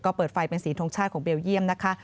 ก็เปิดไฟเป็นสีทงชาติของเบลเยี่ยมนะคะ